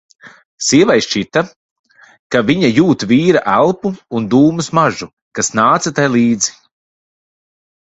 Sievai šķita, ka viņa jūt vīra elpu un dūmu smaržu, kas nāca tai līdz.